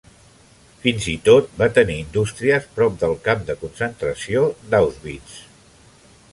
Fins i tot va tenir indústries prop del camp de concentració d'Auschwitz.